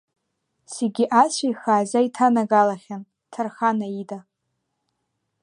Зегьы ацәа ихааӡа иҭанагалахьан Ҭархана ида.